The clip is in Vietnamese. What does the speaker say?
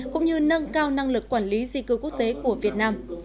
cũng như nâng cao năng lực quản lý di cư quốc tế của việt nam